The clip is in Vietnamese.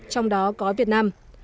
trong đó có việt nam